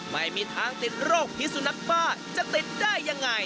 ไม่มีทางติดโรคพิสุนักบ้าจะติดได้ยังไง